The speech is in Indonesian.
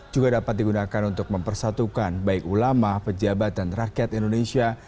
juga dapat digunakan untuk mempersatukan baik ulama pejabat dan rakyat indonesia